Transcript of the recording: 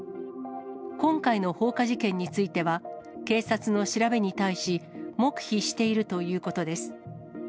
今回の放火事件については、警察の調べに対し、黙秘しているということです。